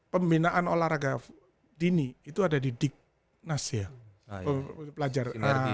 pembinaan olahraga dini itu ada di diknas ya pelajar